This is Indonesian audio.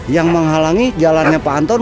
yang menghalangi jalannya pak anton